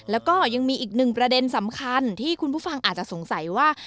แล้วก็ยังมีอีกหนึ่งประเด็นสำคัญที่คุณผู้ฟังอาจจะสงสัยว่า